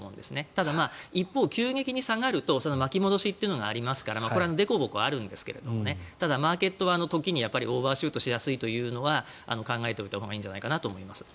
ただ、一方、急激に下がると巻き戻しがありますからこれはでこぼこあるんですがただ、マーケットは時にオーバーシュートしやすいというのは考えておいたほうがいいんじゃないかなと思います。